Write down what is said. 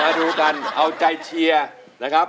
มาดูกันเอาใจเชียร์นะครับ